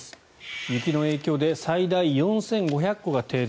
雪の影響で最大４５００戸が停電。